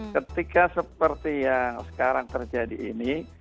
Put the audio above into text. ketika seperti yang sekarang terjadi ini